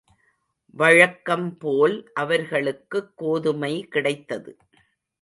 வழக்கம்போல் அவர்களுக்குக் கோதுமை கிடைத்தது.